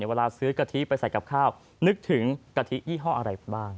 เวลาซื้อกะทิไปใส่กับข้าวนึกถึงกะทิยี่ห้ออะไรบ้าง